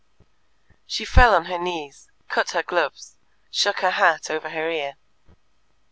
She fell on her knees, cut her gloves, shook her hat over her ear.